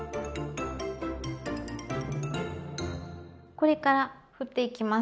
これからふっていきます。